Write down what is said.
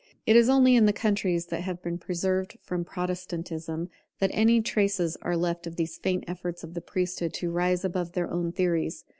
It is only in the countries that have been preserved from Protestantism that any traces are left of these faint efforts of the priesthood to rise above their own theories.